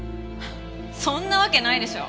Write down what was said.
そんなわけないでしょ。